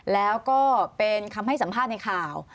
แล้วก็เป็นคำให้สัมภาษณ์ในข่าว